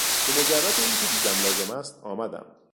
به مجرد اینکه دیدم لازم است آمدم.